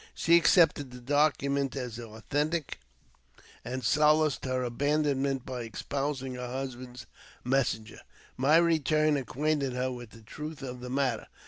She accepted the document as authentic, and solaced her abandonment by espousing her husband's messenger. My return acquainted her with the truth of the matter.